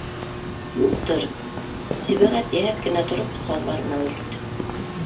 Юҡтыр, - Сибәғәт, йәһәт кенә тороп, салбарына үрелде.